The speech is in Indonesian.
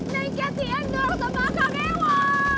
naiknya si endor sama akang ewa